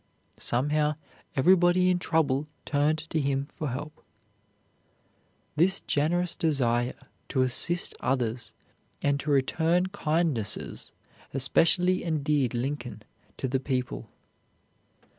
Somehow everybody in trouble turned to him for help." This generous desire to assist others and to return kindnesses especially endeared Lincoln to the people.